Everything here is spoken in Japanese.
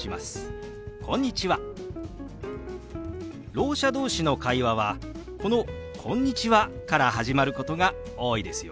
ろう者同士の会話はこの「こんにちは」から始まることが多いですよ。